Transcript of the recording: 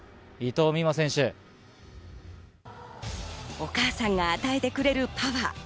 お母さんが与えてくれるパワー。